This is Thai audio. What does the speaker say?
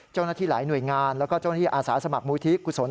เจ้าหน้าที่หลายหน่วยงานแล้วก็เจ้าหน้าที่อาสาสมัครมูลที่กุศล